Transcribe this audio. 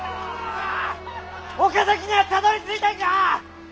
岡崎にゃあたどりついたんか！